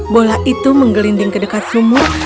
bola itu menggelinding ke dekat sumur